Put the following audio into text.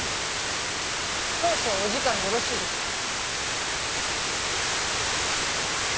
少々お時間よろしいでしょうか？